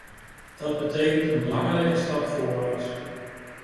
Dat betekent een belangrijke stap voorwaarts.